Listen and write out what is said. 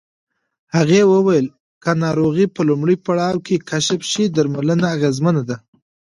هغې وویل که ناروغي په لومړي پړاو کې کشف شي، درملنه اغېزمنه ده.